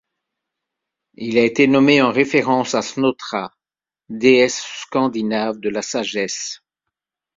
Il a été nommé en référence à Snotra, déesse scandinave de la sagesse.